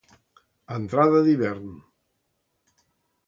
A entrada d'hivern.